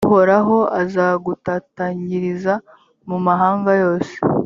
uhoraho azagutatanyiriza mu mahanga yose,